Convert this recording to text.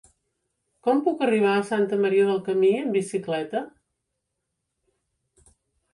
Com puc arribar a Santa Maria del Camí amb bicicleta?